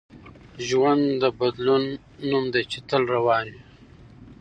ژوند د بدلون نوم دی چي تل روان وي.